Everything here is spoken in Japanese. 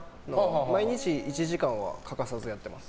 毎日１時間は欠かさずやっています。